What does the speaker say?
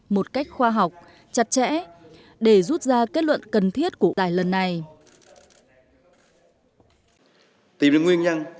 một cách khoa học chặt chẽ để rút ra kết luận cần thiết của tài lần này